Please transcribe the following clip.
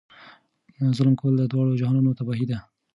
ظلم کول د دواړو جهانونو تباهي ده.